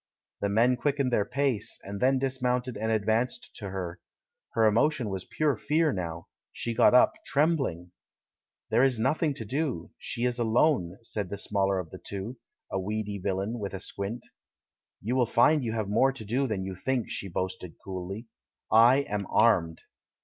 The men quickened their pace, and then dis mounted and advanced to her. Her emotion was pure fear now; she got up, trembling. "There is nothing to do — she is alone!" said 170 THE MAN WHO UNDERSTOOD WOMEN the smaller of the two, a weedy villain, with a squint. "You will find you have more to do than you think," she boasted, coolly; "I am armed."